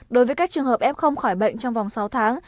đối với các trường hợp f khỏi bệnh trong vòng sáu tháng